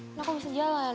kenapa kamu harus jalan